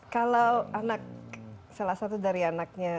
kalau anak salah satu dari anaknya